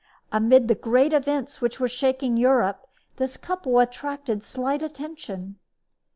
Amid the great events which were shaking Europe this couple attracted slight attention.